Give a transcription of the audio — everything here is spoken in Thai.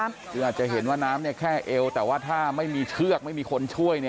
คืออาจจะเห็นว่าน้ำแค่เอวแต่ว่าถ้าไม่มีเชือกไม่มีคนช่วย